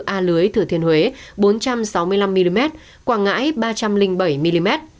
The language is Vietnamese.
a lưới thừa thiên huế bốn trăm sáu mươi năm mm quảng ngãi ba trăm linh bảy mm